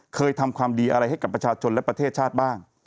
เคยทำความดีอะไรให้กับประชาชนและประเทศชาติบ้าง